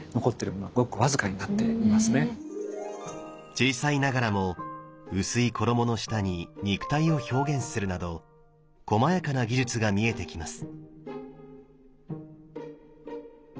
小さいながらも薄い衣の下に肉体を表現するなどこまやかな技術が見えてきます。